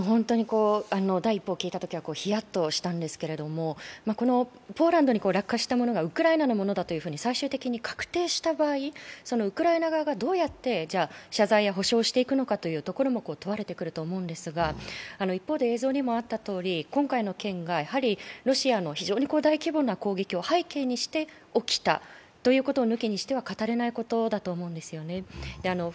第一報を聞いたときはヒヤッとしたんですけど、ポーランドに落下したものがウクライナのものだと最終的に確定した場合、ウクライナ側がどうやって謝罪や補償をしていくのかというところも問われてくると思うんですが、一方で映像にもあったとおり今回の件がロシアの非常に大規模な攻撃を背景にして起きたということを抜きにしては語れないことだと思うんですよね。